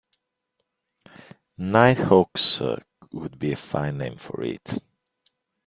Night Hawks would be a fine name for it.